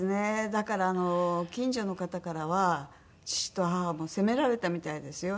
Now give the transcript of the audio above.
だから近所の方からは父と母も責められたみたいですよ。